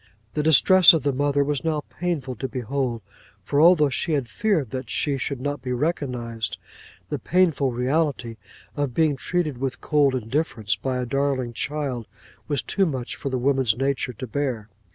The distress of the mother was now painful to behold; for, although she had feared that she should not be recognised, the painful reality of being treated with cold indifference by a darling child, was too much for woman's nature to bear.